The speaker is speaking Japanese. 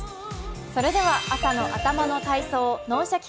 それでは朝の頭の体操「脳シャキ！